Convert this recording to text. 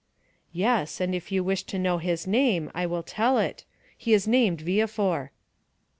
"Yes; and if you wish to know his name, I will tell it,—he is named Villefort."